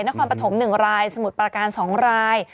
นครปฐม๑รายสมุทรประการ๒ราย